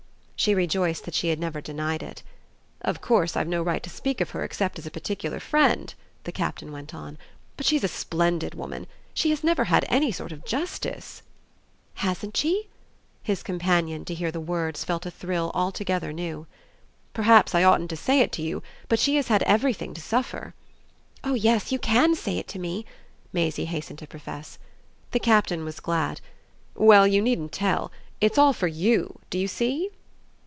She rejoiced that she had never denied it. "Of course I've no right to speak of her except as a particular friend," the Captain went on. "But she's a splendid woman. She has never had any sort of justice." "Hasn't she?" his companion, to hear the words, felt a thrill altogether new. "Perhaps I oughtn't to say it to you, but she has had everything to suffer." "Oh yes you can SAY it to me!" Maisie hastened to profess. The Captain was glad. "Well, you needn't tell. It's all for YOU do you see?"